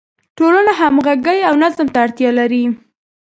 ټولنه همغږي او نظم ته اړتیا لري.